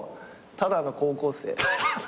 ただの高校生？